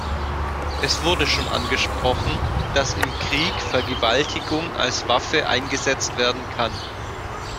Es wurde schon angesprochen, dass im Krieg Vergewaltigung als Waffe eingesetzt werden kann.